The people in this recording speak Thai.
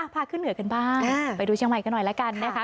พาขึ้นเหนือกันบ้างไปดูเชียงใหม่กันหน่อยละกันนะคะ